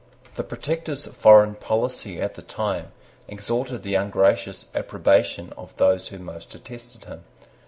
The Protector's foreign policy at the same time extorted the ungracious approbation of those who most detested him.